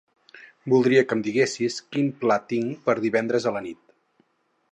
Voldria que em diguessis quin pla tinc per divendres a la nit.